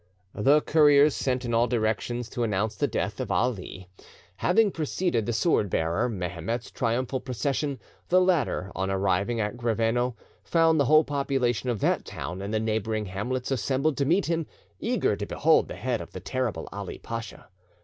The couriers sent in all directions to announce the death of Ali, having preceded the sword bearer Mehemet's triumphal procession, the latter, on arriving at Greveno, found the whole population of that town and the neighbouring hamlets assembled to meet him, eager to behold the head of the terrible Ali Pacha.